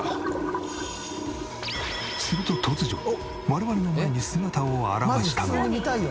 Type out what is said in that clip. すると突如我々の前に姿を現したのは。